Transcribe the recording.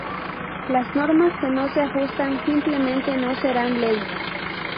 Las normas que no se ajustan simplemente no serán ley.